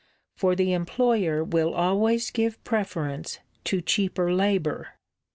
For the employer will always give preference to cheaper labour.